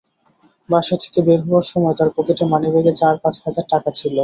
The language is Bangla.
বাসা থেকে বের হওয়ার সময় তাঁর পকেটে মানিব্যাগে চার-পাঁচ হাজার টাকা ছিল।